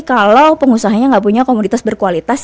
kalau pengusahanya nggak punya komoditas berkualitas